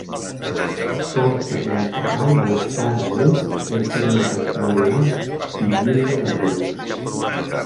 Porta principal a la cara est i de forma rectangular i llinda de pedra.